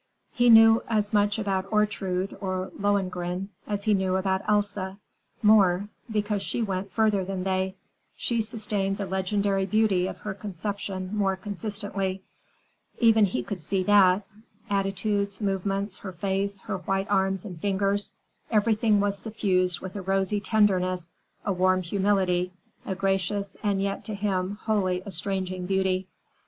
He knew as much about Ortrude or Lohengrin as he knew about Elsa—more, because she went further than they, she sustained the legendary beauty of her conception more consistently. Even he could see that. Attitudes, movements, her face, her white arms and fingers, everything was suffused with a rosy tenderness, a warm humility, a gracious and yet—to him—wholly estranging beauty.